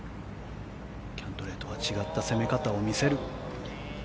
キャントレーとは違った攻め方を見せる。